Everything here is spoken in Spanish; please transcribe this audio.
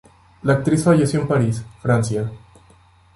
La actriz falleció en París, Francia.